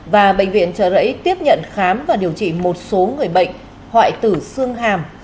và bệnh viện trở rẫy tiếp nhận khám và điều trị một số người bệnh